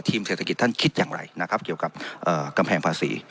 เศรษฐกิจท่านคิดอย่างไรนะครับเกี่ยวกับกำแพงภาษี